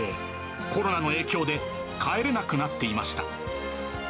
コロナの影響で帰れなくなっていました。